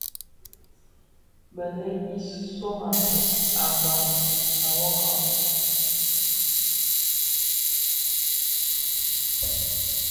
Bèleg yi sóm à gang à wogà.